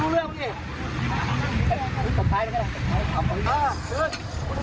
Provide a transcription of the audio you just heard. ด้านน้ำตลอดอีกหลังหลังหลัง